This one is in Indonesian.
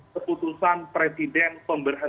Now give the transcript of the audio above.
keputusan presiden pemberantasan